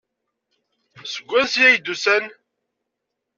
Seg wansi ay d-usan?